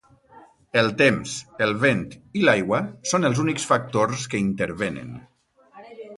El temps, el vent i l'aigua són els únics factors que hi intervenen.